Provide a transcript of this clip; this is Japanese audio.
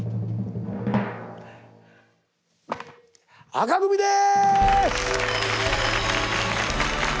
紅組です！